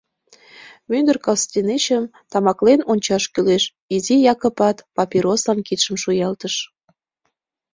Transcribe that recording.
— Мӱндыр костенечым тамаклен ончаш кӱлеш, — изи Якыпат папирослан кидшым шуялтыш.